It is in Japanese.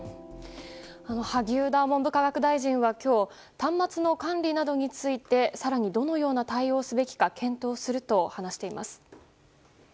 萩生田文部科学大臣は今日端末の管理などについて更にどのような対応をすべきか検討すると話しています。